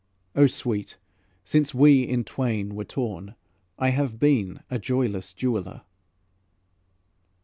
Oh, sweet, since we in twain were torn, I have been a joyless jeweler."